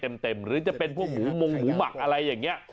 จะให้เต็มหรือจะเป็นควบคุมมั้งหมูหมักอะไรยังเงี่ย